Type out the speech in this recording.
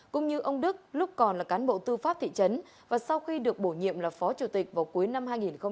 cũng như ông đức lúc còn là cán bộ tư pháp thị trấn và sau khi được bổ nhiệm là phó chủ tịch vào cuối năm hai nghìn một mươi chín